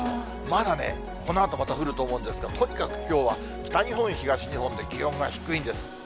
まだね、このあとまだ降ると思うんですが、とにかくきょうは、北日本、東日本で気温が低いんです。